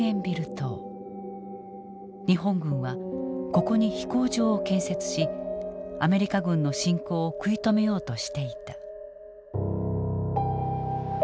日本軍はここに飛行場を建設しアメリカ軍の進攻を食い止めようとしていた。